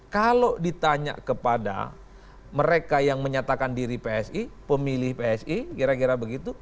kalau ditanya kepada mereka yang menyatakan diri psi pemilih psi kira kira begitu